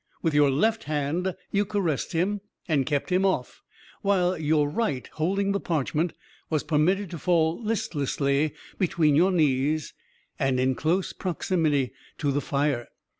With your left hand you caressed him and kept him off, while your right, holding the parchment, was permitted to fall listlessly between your knees, and in close proximity to the fire.